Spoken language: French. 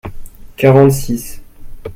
quarante six.